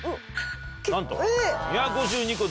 なんと。